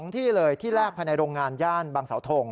ที่เลยที่แรกภายในโรงงานย่านบางเสาทง